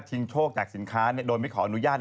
โชคจากสินค้าโดยไม่ขออนุญาต